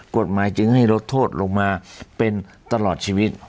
กฎหมายจึงให้ลดโทษลงมาเป็นตลอดชีวิต